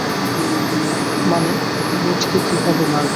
মানে গুডকে কিভাবে মারব?